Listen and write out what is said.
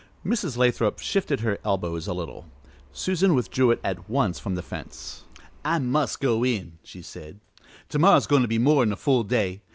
Mrs. Lathrop shifted her elbows a little; Susan withdrew at once from the fence. "I must go in," she said, "to morrow is goin' to be a more 'n full day.